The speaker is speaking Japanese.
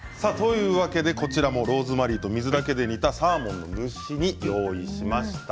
ローズマリーと水だけで煮たサーモンの蒸し煮を用意しました。